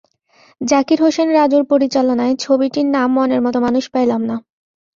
জাকির হোসেন রাজুর পরিচালনায় ছবিটির নাম মনের মতো মানুষ পাইলাম না।